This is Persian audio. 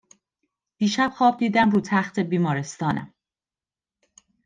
دیشب خواب دیدم رو تخت بیمارستانم